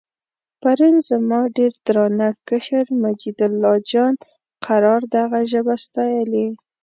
پرون زما ډېر درانه کشر مجیدالله جان قرار دغه ژبه ستایلې.